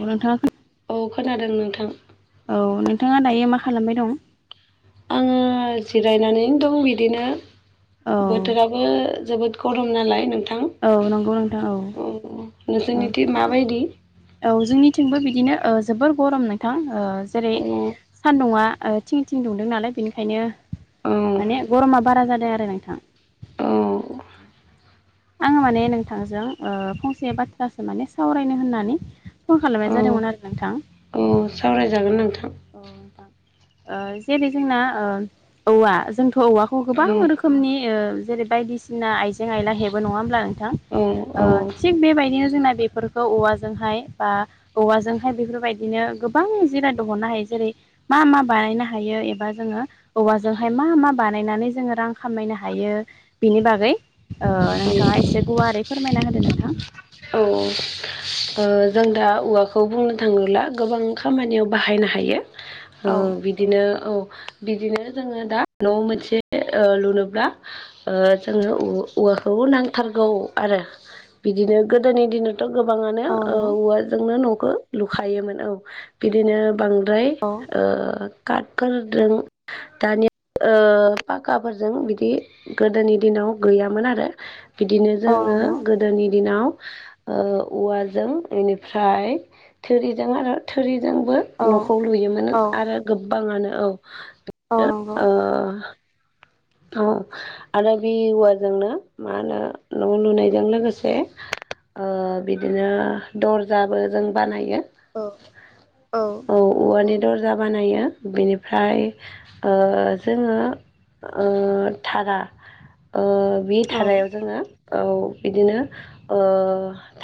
नोथांङा खो औ खोनादों नोंथां। बे मा खालामबाय दं? आंङो जिरायनानैनो दं बिदिनो औ बोथोराबो जोबोद गरम नालाय नोंथां। औ नंगौ नोंथां औ। ओ नोंसोरनिथिं माबायदि औ जोंनिथिंबो बिदिनो ओ। जोबोर गरम नोंथां ओ जेरै औ सानदुंङा ओ थिं-थिं दुंदों नालाय बेनिखायनो औ माने गरमा बारा जादों आरो नोंथां। औ आंङो माने नोंथांजों ओ फंसे बाथ्रासो माने सावरायनो होननानै फन खालामनाय औ जादोंमोन आरो नोंथां औ सावरायजागोन ओ‌ नोंथां औ नोंथां ओ जेरै जोंना ओ औवा जोंथ' औवाखौ गोबां औ रोखोमनि ओ जेरै बायदिसिना आइजें आइला नङा होनब्ला नोंथां औ ओ‌ औ थिग बेबायदिनो जोंना बेफोरखौ औवाजोंहाय ओ बा औवाजोंहाय बेफोरबायदिनो गोबां जिराद दिहुननो हायो जेरै मा-मा बानायनो हायो एबा जोंङो औवाजो जोंहाय मा-मा बानायनानै जोंङो रां खामायनो हायो बिनि बागै नोंथांङा एसे गुवारै फोरमायना होदो नोंथां औ-औ जों दा औवाखौ बुंनो थांङोब्ला गोबां खामानियाव बाहायनो हायो। ओ औ बिदिनो औ बिदिनो जोंङो दा नयाव मोनसे ओ लुनोब्ला ओ जोंङो औवाखौ नांथारगौ आरो। बिदिनो गोदोनि दिनावथ गोबांङानो औ ओ नंगौ औवाजोंनो नखौ लुखायोमोन औ बिदिनो बांद्राय औ ओ काटफोरजों दानिया ओ पाखाफोरजों बिदि गोदोनि दिनाव गैयामोन आरो बिदिनो औ जोंङो नंगौ गोदोनि दिनाव ओ औवाजों इनिफ्राय थोरिजों आरो थोरि जोंबो औ न'खौ लुयोमोन औ आरो गोबांङानो औ। औ नंगौ ओ औ आरो बे औवाजोंनो मा होनो न' लुनायजों लोगोसे ओ बिदिनो दर्जाबो जों बानायो। औ-औ दर्जा बानायो बिनिफ्राय ओ जोंङो। ओ धारा ओ बे धारायाव जोंङो औ बिदिनो ओ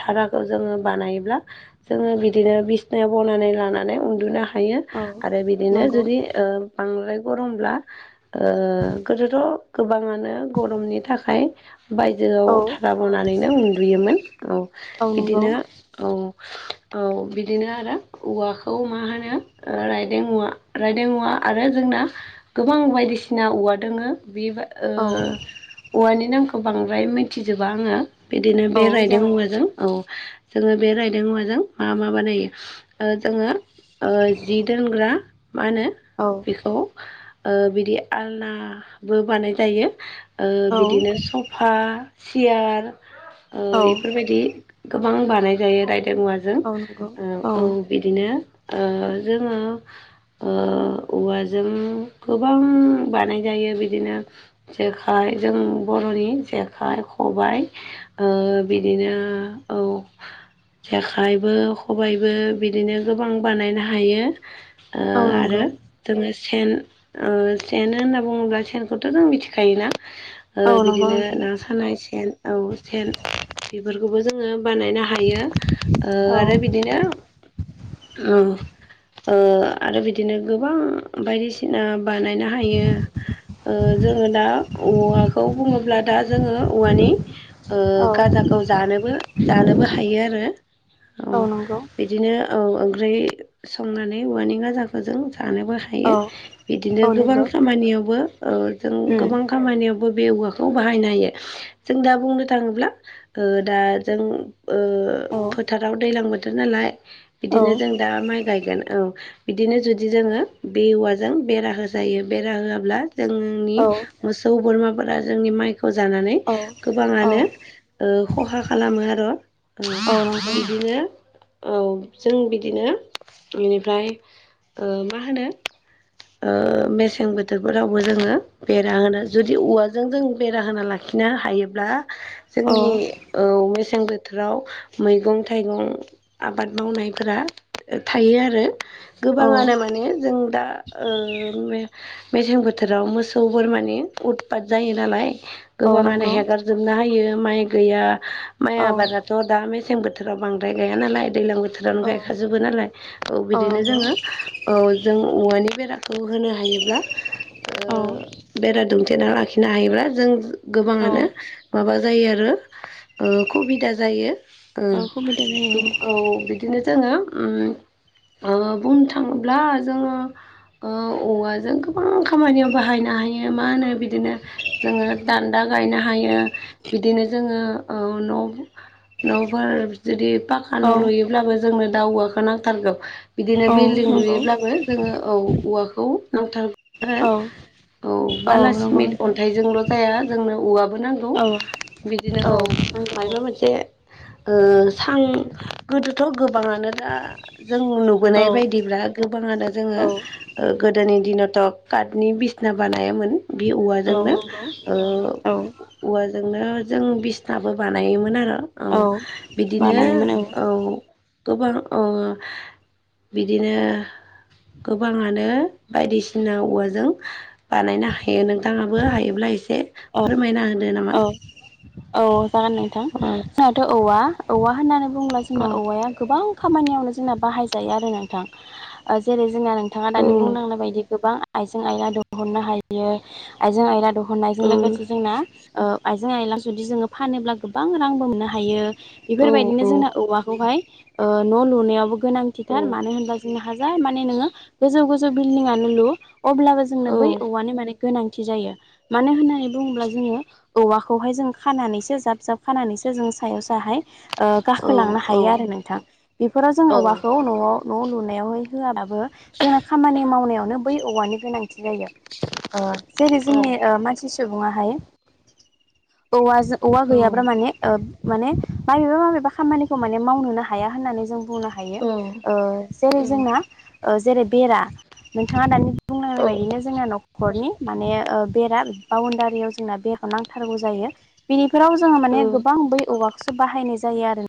धिराखौ जोंङो बानायचब्ला जोंङो बिदिनो बिसनायाव बना लानानै उन्दुनो हायो औ आरो बिदिनो नंगौ जुदि औ ओ‌ बांद्राय गरमब्ला ओ गोदोथ' गोबांङानो नो गरमनि थाखाय बायजोआव धारा बनानैनो उन्दुयोमोन औ। औ नंगौ इदिनो औ औ बिदिनो आरो औवाखौ मा होनो ओ रायदों औवा रायदों औवा आरो जों ना गोबां बायदिसिना औवा दोंङो बेयो बा ओ औ औवानि नामखौ बांद्राय मिथिजोबा आंङो। बिदिनो औ बे रायदों जागोन औवाजों औ। जोंङो बे रायदों औवाजों मा मा बानायो ओ जोंङो ओ जि दोनग्रा मा होनो औ बेखौ ओ बिदि आलनाबो बानाय जायो। ओ औ बिदिनो स'पा सियार ओ औ इफोरबायदि गोबां बानाय जायो रायदों उवाजों औ नंगौ औ बिदिनो ओ जोंङो ओ औवाजों गोबां बानाय जायो बिदिनो जेखाइ जों बर'नि जेखाइ, खबाइ, ओ औ बिदिनो औ। जेखाइबो खबायाइबो बिदिनो गोबां बानायनो हायो। ओ औ नंगौ आरो जोंङो सेन ओ सेन होनना बुंङोब्ला सेनखौथ' जों मिथिखायोना। ओ औ नंगौ बिदिनो ना नोंथां सानाय सेन औ सेन बेफोरखौबो जोंङो बानायनो हायो ओ औ आरो बिदिनो औ। ओ आरो बिदिनो गोबां बायदिसिना बानायनो हायो। [inaudible] ओ जोंङो दा औवाखौ बुंङोब्ला दा जोंङो औवानि ओ औ गाजाखौ जानोबो जानोबो हायो आरो औ बिदिनो औ औ। ओमफ्राय संनानै उवानि गाजाखो जों जानोबो हायो औ बिदिनो औ गोबां नंगौ खामानियावबो ओ जों उम गोबां खामानियाव बो बे औवाखौ बाहायनो हायो जों दा बुंनो थांङोब्ला ओ दा जों ओ औ फोथाराव दैज्लां बोथोर नालाय औ इदिनो जों दा माइ गायगोन औ। बिदिनो जुदि जोंङो बे औवाजों बेरा होजायो बेरा होआब्ला जोंनि औ मोसौ बोरमाफोरा जोंनि माइखौ खौ जानानै औ औ गोबांङानो ओ खहा खालामो आर'। उम औ नंगौ बिदिनो औ जों बिदिनो इनिफ्राय ओ मा होनो ओ मेसें बोथोरफोरावबो जोंङो बेरा होना जुदि औवाजों जों बेरा होना लाखि खिनो हायोब्ला औ जोंनि औ मेसें बो थोराव मैगं थाइगं आबाद मावनायफोरा थायो आरो। औ गोबांङानो माने जों दा ओ मे-मेसें बोथोराव मोसौ बोरमानि उदपात जायो नालाय। औ गोबांङानो नंगौ हेगारजोबना होयो माइ गैया माइ औ आबादाथ' दा मेसें बो थोराव बांद्राय गाया नालाय दैलां बोथोरावनो गायखा औ जोबो नालाय औ बिदिनो जोंङो औ जों औवानि बेराखौ होनो हायोब्ला औ ओ बेरा दुमथेना लाखिनो हायोब्ला जों औ गोबांङानो माबा जायो आरो ओ खुबिदा जायो ओ सुबिदा जायो औ बिदिनो जोंङो उम ओ बुंनो थांङोब्ला जोंङो ओ औवाजों गोबां गायनो हायो बिदिनो जोंङो ओ न' न'फोर जुदि पाखा औ न' लुयोब्लाबो जोंनो दा उवाखौ नांथारगौ। बिदिनो औ बिल्डिं नंगौ लुयोब्लाबो जोंङो औ औवाखौ नांथारगौ आरो। औ औ नंगौ बालासिमेन्ट नोंथां अन्थाइजोंल' जाया जोंनो औवाबो नांगौ औ बिदिनो औ। मायबा मोनसे ओ सां गोदोथ' गो बांङानो दा जों औ नुबोनाय बायदिब्ला गोबांङानो जोंङो औ गोदोनि दिनावथ' काटनि बिसना बानायामोन। बे औवाजोंनो नंगौ ओ‌ औ औवाजों नो जों बिसनाबो बानायोमोन आरो औ बिदिनो औ गोबां ओ बिदिनो गोबाङानो नो बायदिसिना औवाजों बानायनो हायो नोंथाङाबो हायोब्ला एसे औ फोरमायना होदो नामा? औ औ जागोन दे थां अ जोंहाथ औवा औवा होननानै बुंङोब्ला औ जोंना औवाया गोबां खामानियावनो जोंना बाहायजायो आरो नोंथां ओ‌ जेरै जोंना नोंथाङा औ दानि बुंलांनाय बायदि गोबां आइजें आयला दिहुननो हायो आइजें आयला दहननायजों औ लोगोसे जोंना ओ आइजें आइला जुदि जोङो फानोब्ला गोबां रांबो मोननो हायो। औ बेफोरबायदिनो जोंना औवाखौहाय ओ न‌‌ लुनायावबो औ गोनांथिथार मानो होनबा जोंना हाजार माने नोंङो गोजौ गोजौ बिलदिंआनो लु अब्लाबो जोंनो औ बै औवानि माने गोनांथि जायो मानो होननानै बुंङोब्ला जोङो औवाखौहाय जों खानानैसो जाब जाब खानानैसो जों सायाव साहाय ओ औ औ गाखोलांनो हायो आरो नोंथां बेफोराव जों औवाखौ न'आव न लुनायावहाय होआ बाबो जोंना खामानि मावनायावनो बै औवानि गोनांथि थि जायो ओ जेरै जोंनि ओ मानसि सुबुङाहाय औवाजों औवा गैयाब्ला माने माने माबेबा माबेबा खामानिखौ माने मावनोनो हाया होननानै जों बुंनो हायो ओ जेरै जोंना ओ जेरै बेरा नोंथाङा दानि बुंनांनाय बायदिनो जोंना नखरनि माने ओ बेरा बाउण्डारियाव जोंना बेराखौ नांथारगौ जायो बेफोराव जोङो माने गोबां बै औवाखौसो बाहायनाय जायो। जायो आरो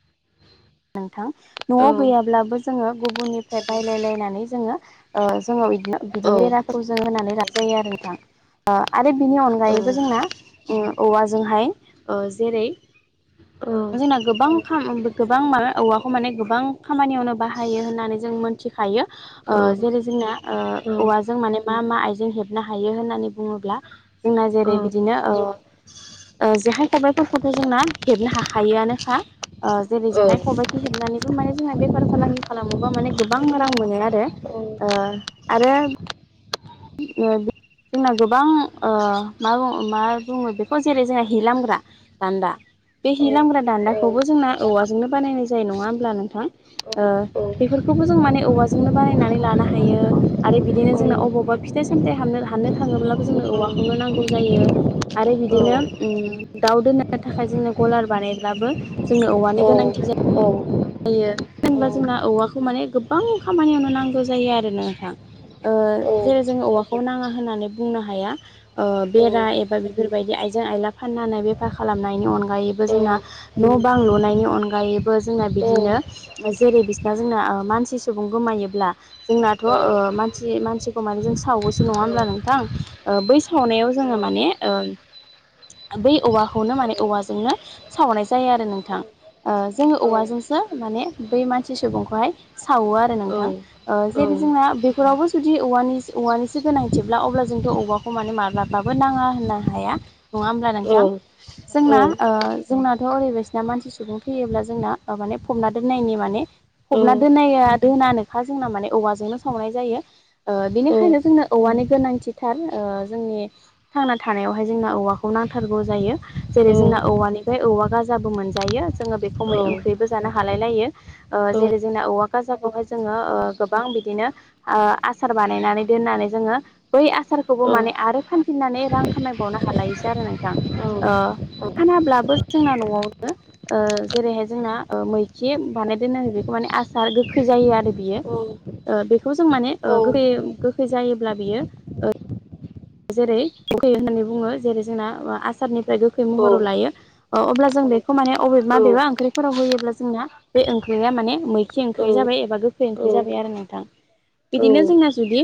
नोंथां नआव गैयाब्लाबो जोङो गुबुननिफ्राय बायलायलायनानै जोङो ओ जोङो बिदिनो बेराफोरखौ जोंङो होनानै लानाय जायो आरो नोंथां। आरो बिनि अनगायैबो जोंना ओ औवाजोंहाय ओ जेरै- जोंना गोबां खा उम गोबां माबा औवाखौ माने गोबां खामानियावनो बाहायो होननानै जों मोनथिखायो। ओ जेरै जोंना ओ औवाजों माने मा मा आइजें हेबनो हायो होननानै बुङोब्ला जोंना जेरै बिदिनो ओ ओ जेखाइ खबाइफोरखौथ जोंना हेबनो हाखायोआनोखा ओ जेरै जेखाइ खबायाइखो हेबनानैबो माने जोंना बेफार फालांगि खालामोबा माने गोबां रां मोनो आरो ओ आरो [unintelligible] जोंना गोबां ओ मा बुङो मा बुङो बेखौ जेरै जोंहा हि लामग्रा दान्दा बे हि लामग्रा दान्दाखौबो जोंना औवाजोंनो बानायनाय जायो नङा होमब्ला नोंथां ओ बेफोरखौ बेखौबो जों माने औवाजोंनो बानायनानै लानो हायो आरो बिदिनो जोंना अबावबा फिथाइ सामथाइ हामनो हाननो थाङोब्लाबो जोंनो औवाखौनो नांगौ जायो आरो बिदिनो दाउ दोननो थाखाय जोंनो गलार बानायब्लाबो जोंनो औवानि गोनांथि जायो। जायो औ जेनबा जोंना औवाखौ माने गोबां खामानियावनो नांगौ जायो आरो ना नोंथां। ओ औ जेरै जोङो औवाखौ नाङा होननानै बुंनो हाया बेरा एबा बेफोरबायदि आइजेंआइला फाननानै बेफार खालामनायनि अनगायैबो जोंना न बां लुनायनि अनगायैबो जोंङा बि बिदिनो जेरै बिसिना जोंना ओ मानसि सुबुं गोमायोब्ला जोंनाथ ओ मानसि मानसि खौ माने जों सावोसो नङा होमब्ला नोंथां बै सावनायाव जोङो माने ओ बै औवाखौनो माने औवाजोंनो सावनाय जायो आरो नोंथां। ओ जोङो औवाजों माने बै मानसि सुबुंखौहाय साव आरो नोंथां ओ जेरै जोङो ‌बै फोरावबो जुदि औवानि औवानिसो गोनांथिब्ला अब्ला जोंथ औवाखौ माने माब्लाबाबो नाङा होननो हाया। नङा होमब्ला नोंथां जोंना ओ जोंनाथ ओरैबायसिना मानसि सुबुं थैयोब्ला जोंना ओ माने फबना दोननायनि माने फबना दोन्नाया दोनानोखा जोंना माने औवाजोंनो सावनाय जायो। ओ बेनिखायनो जोंनो औवानि गोनांथिथार ओ जोंनि थांना थानायावहाय जोंना औ औवाखौ नांथारगोै जायो जैरै जोंना औवा निफ्राय औवा गाजाबो मोनजायो जोंङो बेखौ मै ओं ख्रिबो जानो हालाय लायो ओ जेरै जोंना औवा गाजाखौहाय जोङो ओ गोबां बिदिनो आ ओ आसार बानायनानै दोनानै जोङो बै आसारखौबो माने आरो फान फिननानै रां खामायबावनो हालायसै आरो नोंथां। ओ फानाब्लाबो जोंना न'आवनो ओ जेरैहाय जोंना ओ मैखिम बानायदोननो बेखौ माने आसार गोखै जायो आरो बियो। ओ बेखौ जों माने ओ गोै गोखै जायोब्ला बियो ओ जेरै गोखै होननानै बुङो जेरै जोंना आसारनिफ्राय गोखै महराव लायो अ-अब्ला जों जों बेखौ माने अबेब माबे ओंख्रिफोराव होयोब्ला जोंना बे ओंख्रिया माने मैखि ओंख्रि जाब एबा खै ओंख्रि जाबाय आरो नोंथां बिदिनो जोंना जुदि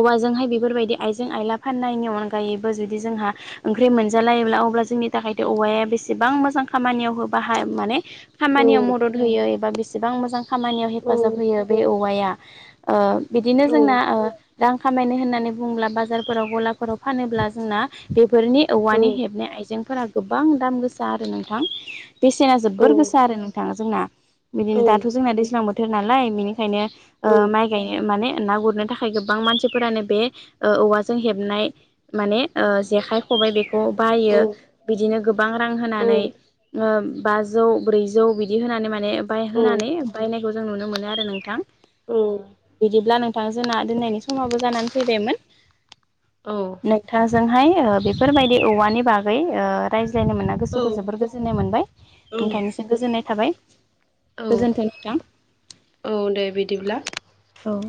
औवाजोंहाय बेफोरबायदि आइजें आइला फाननायनि अनगायैबो जुदि जोंहा ओंख्रि मोनजालायोब्ला अब्ला जोंनि थाखायथ' औवाया बे बेसेबां मोजां खामानियाव बाहाय माने खामानियाव मदद होयो एबा बिसेबां मोजां खामानियाव हे फाजाब होयो बे औवाया ओ बिदिनो जोंना ओ रां खामायनाय होननानै बुंब्ला बाजारफोराव गलाफोराव फानोब्ला जोंना बेफोरनि औवानि हेबनाय आइजेंफोरा गोबां दाम गोसा आरो नोंथां बेसेना जोबोर गोसा आरो नोंथाङा जोंना। बिदिनो दाथ' जोंना दैज्लां बो थोर नालाय बिनिखायनो ओ माइ गायनो माने ना गुरनो थाखाय गोबां मानसिफोरानो बे ओ औवाजों हेबनाय माने ओ जेखाइ खबाइ बेखौ बायो बिदिनो गोबां रां होनानै ओ बा जौ ब्रै जौ बिदि होनानै माने बांहोनानै बायनाय खौ जों नुनो मोनो आरो नोंथां। ओ बिदिब्ला नोंथां जोंना दोनैनायनि समावबो जानानै फैबायमोन। [inaudible] नोंथांजोंहाय ओ बेफोरबायदि औवानि बागै ओ रायज्लायनो मोना गोसोखौ जोबोर गोजोन नाय मोनबाय ओंथायनोसो गोजोननाय थाबाय गोजोनथों नोंथां। उन्दै बिदिब्ला। औ